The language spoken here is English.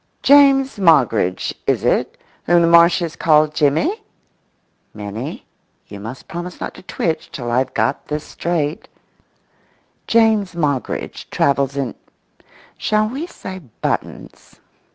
James Moggridge is it, whom the Marshes call Jimmy? [Minnie, you must promise not to twitch till I've got this straight]. James Moggridge travels in—shall we say buttons?